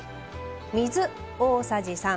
水、大さじ３。